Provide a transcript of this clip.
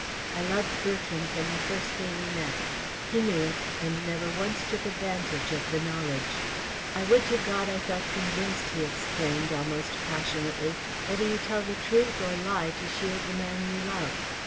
I loved Bertram from the first day we met. He knew it and never once took advantage of the knowledge." "I would to God I felt convinced," he exclaimed, almost passionately, "whether you tell the truth or lie to shield the man you love."